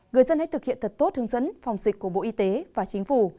người dân hãy thực hiện thật tốt hướng dẫn phòng dịch của bộ y tế và chính phủ